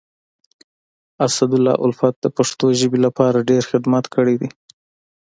اسدالله الفت د پښتو ژبي لپاره ډير خدمت کړی دی.